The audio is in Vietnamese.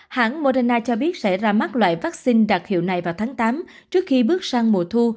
hãng moderna cho biết sẽ ra mắt loại vaccine đặc hiệu này vào tháng tám trước khi bước sang mùa thu